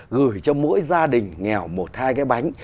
gửi cho mỗi gia đình nghèo một hai cái bánh